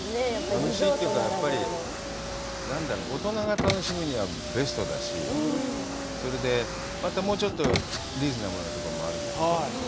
楽しいというか、やっぱり何だろう、大人が楽しむにはベストだし、それで、またもうちょっとリーズナブルなところもあるんだけど。